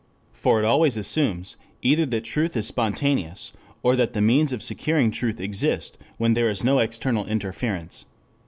For it always assumes, either that truth is spontaneous, or that the means of securing truth exist when there is no external interference.